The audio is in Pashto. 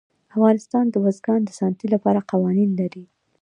افغانستان د بزګان د ساتنې لپاره قوانین لري.